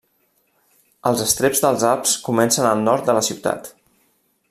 Els estreps dels Alps comencen al nord de la ciutat.